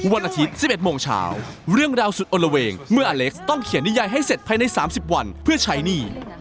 วันอาทิตย์๑๑โมงเช้าเรื่องราวสุดอลละเวงเมื่ออเล็กซ์ต้องเขียนนิยายให้เสร็จภายใน๓๐วันเพื่อใช้หนี้